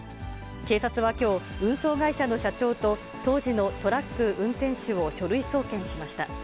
警察はきょう、運送会社の社長と、当時のトラック運転手を書類送検しました。